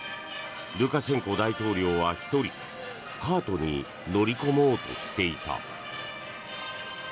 ルカシェンコ大統領は１人カートに乗り込もうとしていた。